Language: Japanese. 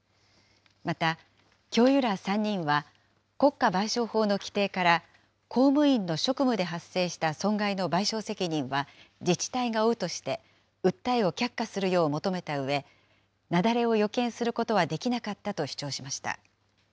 また、教諭ら３人は、国家賠償法の規定から、公務員の職務で発生した損害の賠償責任は自治体が負うとして、訴えを却下するよう求めたうえ、雪崩を予見することはできなかったと主張しました。